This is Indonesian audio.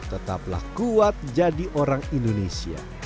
tetaplah kuat jadi orang indonesia